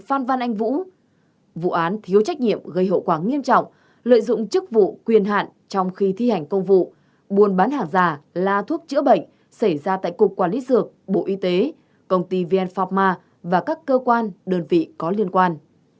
phan văn anh vũ vụ án thiếu trách nhiệm gây hậu quả nghiêm trọng lợi dụng chức vụ quyền hạn trong khi thi hành công vụ buôn bán hàng giả là thuốc chữa bệnh xảy ra tại cục quản lý dược bộ y tế công ty vn pharma và các cơ quan đơn vị có liên quan